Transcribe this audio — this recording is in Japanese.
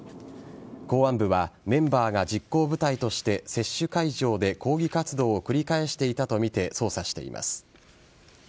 公安部はメンバーが実行部隊として接種会場で抗議活動を繰り返していたとみて捜査しています。